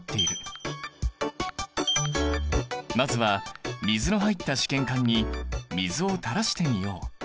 まずは水の入った試験管に水をたらしてみよう。